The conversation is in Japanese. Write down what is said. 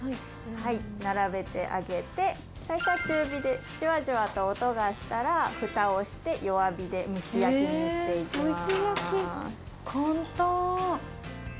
はい並べてあげて最初は中火でジュワジュワと音がしたらフタをして弱火で蒸し焼きにしていきます。